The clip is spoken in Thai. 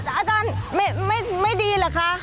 อาจารย์ไม่ดีเหรอคะ